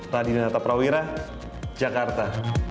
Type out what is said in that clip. radinata prawira jakarta